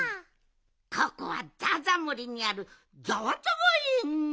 ここはざわざわもりにあるざわざわえん！